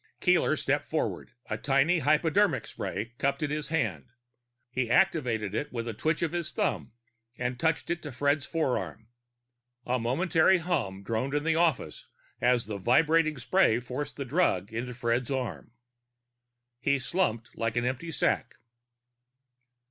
Keeler stepped forward, a tiny hypodermic spray cupped in his hand. He activated it with a twitch of his thumb and touched it to Fred's forearm. A momentary hum droned in the office as the vibrating spray forced the drug into Fred's arm. He slumped like an empty sack.